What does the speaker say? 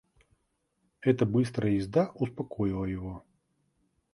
Эта быстрая езда успокоила его.